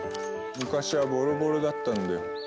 昔はボロボロだったんだよ。